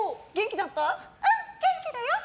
うん、元気だよ！